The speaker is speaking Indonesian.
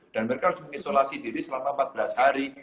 dan mereka harus mengisolasi diri selama empat belas hari